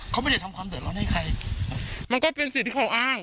เขาไม่ได้ทำความเดือดร้อนให้ใครมันก็เป็นสิทธิ์ที่เขาอ้าง